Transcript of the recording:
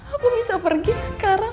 aku bisa pergi sekarang